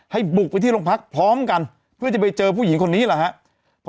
บุกไปที่โรงพักพร้อมกันเพื่อจะไปเจอผู้หญิงคนนี้แหละครับ